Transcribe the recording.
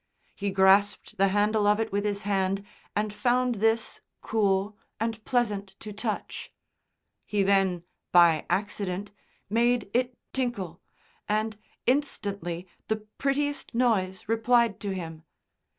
He grasped the handle of it with his hand and found this cool and pleasant to touch. He then, by accident, made it tinkle, and instantly the prettiest noise replied to him.